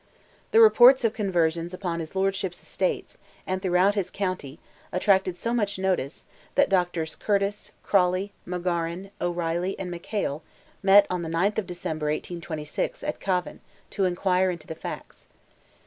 The reports of conversions upon his lordship's estates, and throughout his county, attracted so much notice, that Drs. Curtis, Crolly, Magauran, O'Reilly, and McHale, met on the 9th of December, 1826, at Cavan, to inquire into the facts.